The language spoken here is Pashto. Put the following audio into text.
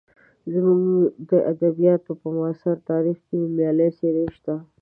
زموږ د ادبیاتو په معاصر تاریخ کې نومیالۍ څېرې شته.